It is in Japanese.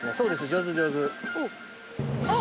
上手上手。